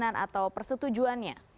dari perizinan atau persetujuannya